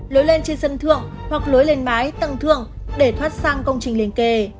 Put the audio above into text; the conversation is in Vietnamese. lối lên trên sân thượng hoặc lối lên mái tầng thượng để thoát sang công trình liền kề